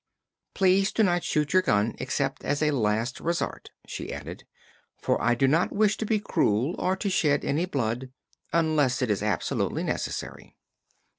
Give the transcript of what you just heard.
"Please do not shoot your gun except as a last resort," she added, "for I do not wish to be cruel or to shed any blood unless it is absolutely necessary."